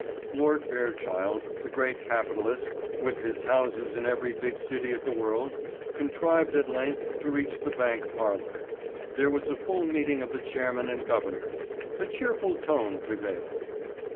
Lord Fairchild, the great capitalist, with his houses in every big city of the world, contrived at length to reach the bank parlour. There was a full meeting of the chairman and governors. A cheerful tone prevailed.